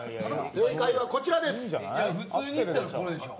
正解はこちらです。